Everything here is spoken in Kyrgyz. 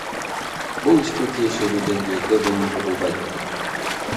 Бул ишке тиешелуу денгээлде конул бурулбайт.